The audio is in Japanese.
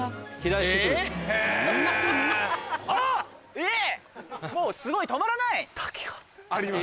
えっすごい止まらない！